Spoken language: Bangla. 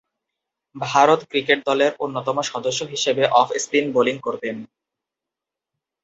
ভারত ক্রিকেট দলের অন্যতম সদস্য হিসেবে অফ স্পিন বোলিং করতেন।